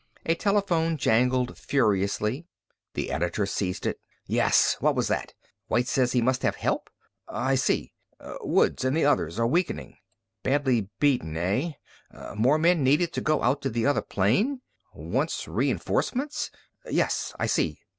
A telephone jangled furiously. The editor seized it. "Yes. What was that?... White says he must have help. I see. Woods and the others are weakening. Being badly beaten, eh?... More men needed to go out to the other plane. Wants reinforcements. Yes. I see.